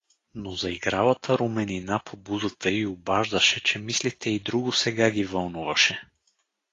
Но заигралата руменина по бузата й обаждаше, че мислите й друго сега ги вълнуваше.